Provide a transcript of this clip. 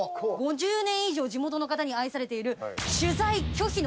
５０年以上地元の方に愛されている。